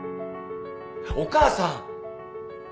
お母さん！